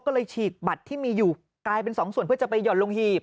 ก็เลยฉีกบัตรที่มีอยู่กลายเป็นสองส่วนเพื่อจะไปห่อนลงหีบ